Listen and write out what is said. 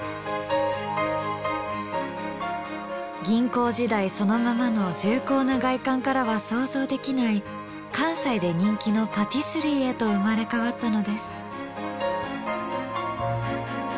銀行時代そのままの重厚な外観からは想像できない関西で人気のパティスリーへと生まれ変わったのです。